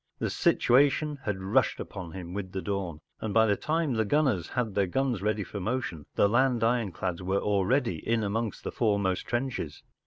The situation had rushed upon him with the dawn, and by the time the gunners had their guns ready for motion, the land ironclads were already in among the foremost trenches.